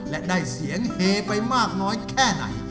และได้เสียงเฮไปมากน้อยแค่ไหน